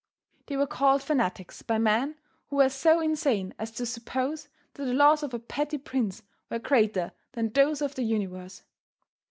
They were called fanatics by men who were so insane as to suppose that the laws of a petty prince were greater than those of the Universe.